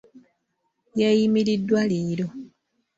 Yeeyimiriddwa leero.